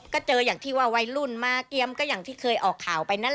ได้นำเรื่องราวมาแชร์ในโลกโซเชียลจึงเกิดเป็นประเด็นอีกครั้ง